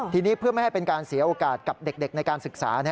ทีนี้เพื่อไม่ให้เป็นการเสียโอกาสกับเด็กในการศึกษา